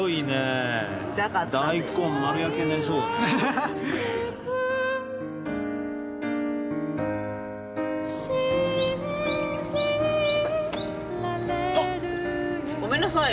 はっ！ごめんなさい。